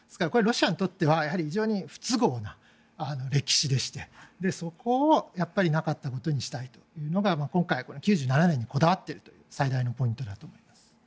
これはロシアにとっては非常に不都合な歴史でしてそこをやっぱりなかったことにしたいというのが今回、９７年にこだわっている最大のポイントだと思います。